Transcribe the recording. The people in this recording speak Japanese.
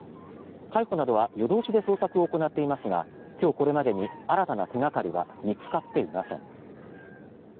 海保などは夜通しで捜索を行っていますが今日これまでに新たな手掛かりは見つかっていません。